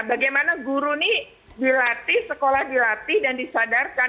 bagaimana guru ini dilatih sekolah dilatih dan disadarkan